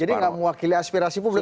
jadi gak mewakili aspirasi publik